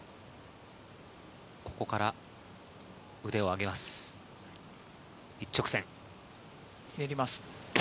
ここから腕を上げひねります。